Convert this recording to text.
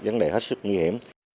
cái này hết sức nguy hiểm